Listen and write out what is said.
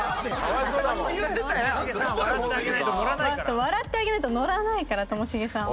笑ってあげないと乗らないからともしげさんは。